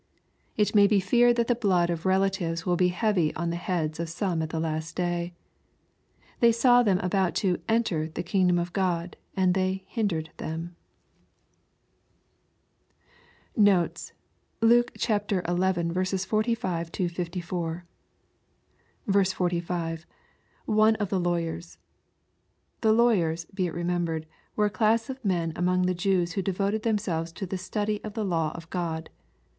It may be feared that the blood of relatives will be heavv on the heads of some at the last day. They saw them about to " en ter*' the kingdom of God, and they *^ hindered" them. Notes. Luke XL 45 — 54. 45. — [One of the lawyers.'] The lawyers, be it remembered, were a class of men among the Jews who devoted themselves to the study of the law of God.